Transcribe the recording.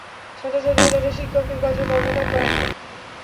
ছাত্রছাত্রীরা তাদের শিক্ষকের কথায় কর্ণপাত করে না।